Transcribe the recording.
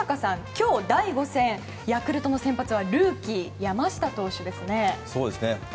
今日、第５戦ヤクルトの先発はルーキー、山下投手ですね。